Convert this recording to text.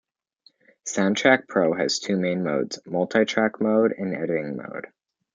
Soundtrack Pro has two main modes: multitrack mode and editing mode.